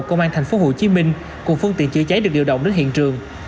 công an tp hcm cùng phương tiện chữa cháy được điều động đến hiện trường